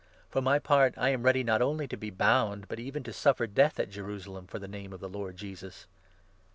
For my part, I am ready not only to be bound, but even to suffer death at Jerusalem for the Name of the Lord Jesus."